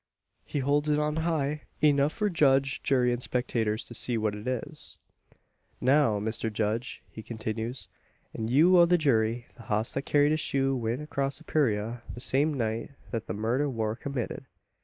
He holds it on high enough for judge, jury, and spectators to see what it is. "Now, Mr Judge," he continues, "an' you o' the jury, the hoss that carried this shoe went acrosst the purayra the same night thet the murder war committed.